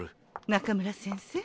中村先生